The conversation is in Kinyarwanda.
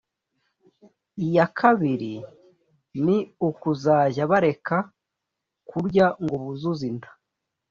iya kabiri ni ukuzajya bareka kurya ngo buzuze inda